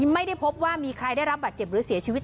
ไม่ได้พบว่ามีใครได้รับบาดเจ็บหรือเสียชีวิต